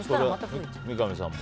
三上さんも？